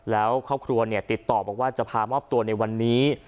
แล้วครอบครัวติดต่อบอกว่าจะพามอบตัวในวันนี้